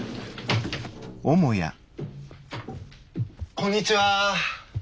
こんにちは。